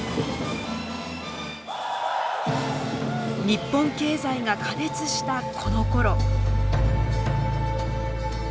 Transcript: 日本経済が過熱したこのころ。